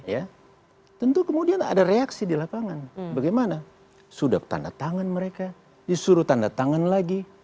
ya tentu kemudian ada reaksi di lapangan bagaimana sudah tanda tangan mereka disuruh tanda tangan lagi